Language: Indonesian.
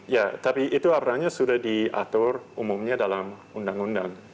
ya tapi itu artinya sudah diatur umumnya dalam undang undang